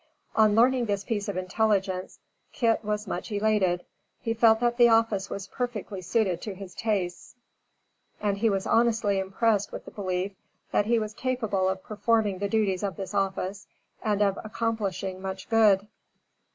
On learning this piece of intelligence, Kit was much elated. He felt that the office was perfectly suited to his tastes, and he was honestly impressed with the belief that he was capable of performing the duties of this office, and of accomplishing much good.